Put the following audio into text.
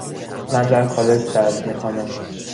من در کالج درس میخوانم.